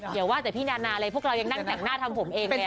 อย่าว่าแต่พี่นานาเลยพวกเรายังนั่งแต่งหน้าทำผมเองเลย